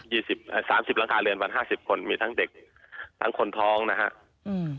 ๓๐หลังคาเรือนประมาณ๕๐คนมีทั้งเด็กทั้งคนท้องนะครับ